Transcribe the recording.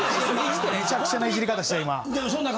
めちゃくちゃないじり方した今・ホントに！